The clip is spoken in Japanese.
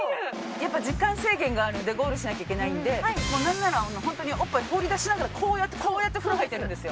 やっぱ時間制限があるんでゴールしなきゃいけないんでもうなんならホントにおっぱい放り出しながらこうやってこうやって風呂入ってるんですよ。